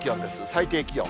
最低気温。